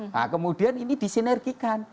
nah kemudian ini disinergikan